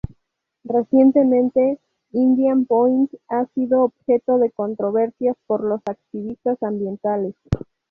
Recientemente, Indian Point ha sido objeto de controversias por los activistas ambientales.